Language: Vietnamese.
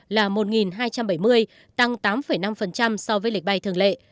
là một hai trăm bảy mươi tăng tám năm so với lịch bay thường lệ